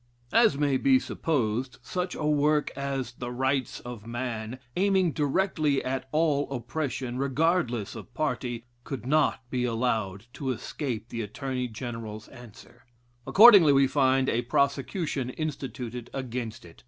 As may be supposed, such a work as "The Rights of Man," aiming directly at all oppression, regardless of party, could not be allowed to escape the Attorney General's answer. Accordingly, we find a prosecution instituted against it.